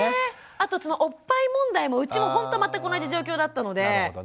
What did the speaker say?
あとそのおっぱい問題もうちもほんと全く同じ状況だったので。